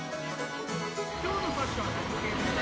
きょうのファッションは何系ですか？